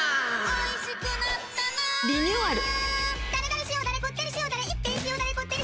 おいしくなったなリニューアル。